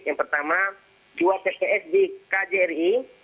yang pertama dua tps di kjri